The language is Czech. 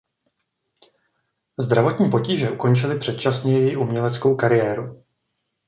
Zdravotní potíže ukončily předčasně její uměleckou kariéru.